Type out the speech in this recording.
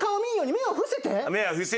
目を伏せといて。